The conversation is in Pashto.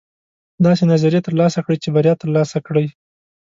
داسې نظریې ترلاسه کړئ چې بریا ترلاسه کړئ.